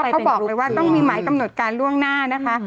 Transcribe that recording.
เขาบอกเลยว่าต้องมีหมายกำหนดการล่วงหน้านะคะ